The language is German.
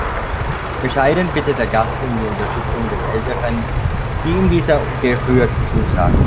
Bescheiden bittet der Gast um die Unterstützung des Älteren, die ihm dieser gerührt zusagt.